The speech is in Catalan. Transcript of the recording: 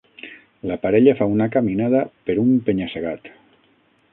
La parella fa una caminada per un penya-segat.